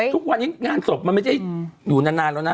ทุกวันนี้งานศพมันไม่ได้อยู่นานแล้วนะ